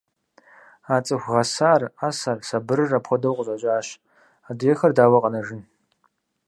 А цӀыху гъэсар, Ӏэсэр, сабырыр апхуэдэу къыщӀэкӀащ, адрейхэр дауэ къэнэжын?